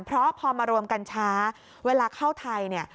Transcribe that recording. เพราะพอมารวมกันช้าเวลาเข้าไทยเนี่ย